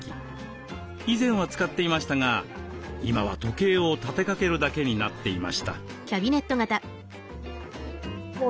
以前は使っていましたが今は時計を立てかけるだけになっていました。